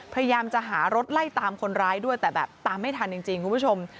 พยายามจะหารถไล่ตามคนร้ายด้วยแต่แบบตามไม่ทันจริงคุณผู้ชม